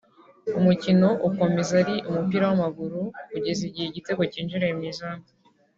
umukino ukomeza ari umupira w’amaguru kugeza igihe igitego kinjiriye mu izamu